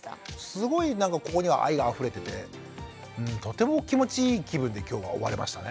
すごいなんかここには愛があふれててとても気持ちいい気分で今日は終われましたね。